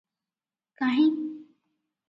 କାହିଁ?